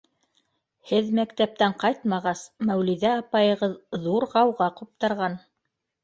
— Һеҙ мәктәптән ҡайтмағас, Мәүлиҙә апайығыҙ ҙур ғауға ҡуптарған.